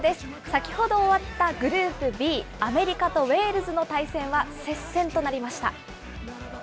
先ほど終わったグループＢ、アメリカとウェールズの対戦は接戦となりました。